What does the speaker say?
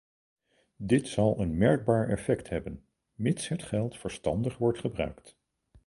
Dit zal een merkbaar effect hebben, mits het geld verstandig wordt gebruikt.